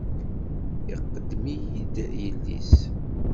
Iqeddem-iyi-d yelli-s.